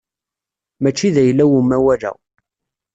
Mačči d ayla-w umawal-a.